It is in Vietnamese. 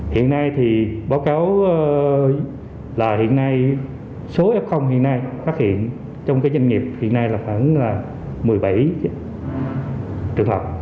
hiện nay thì báo cáo là hiện nay số f hiện nay phát hiện trong cái doanh nghiệp hiện nay là khoảng một mươi bảy trường hợp